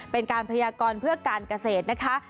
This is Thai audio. เป็นการพยากรเพื่อการเกษตรนะคะ